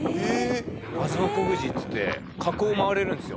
「吾妻小富士っつって火口を回れるんですよ」